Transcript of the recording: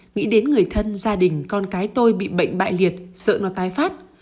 nghĩ đến người thân gia đình con cái tôi bị bệnh bại liệt sợ nó tái phát